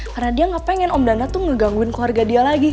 karena dia gak pengen om dana tuh ngegangguin keluarga dia lagi